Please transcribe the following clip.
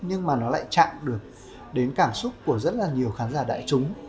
nhưng mà nó lại chạm được đến cảm xúc của rất là nhiều khán giả đại chúng